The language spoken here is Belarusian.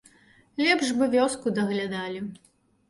Лепш бы вёску даглядалі.